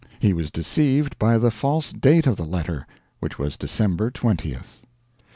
He was deceived by the false date of the letter, which was December 20th.